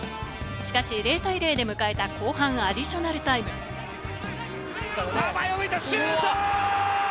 しかし、０対０で迎えた後半、アディショ前を向いた、シュート！